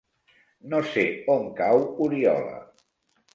No sé on cau Oriola.